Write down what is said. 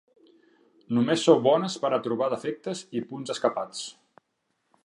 Només sou bones per a trobar defectes i punts escapats.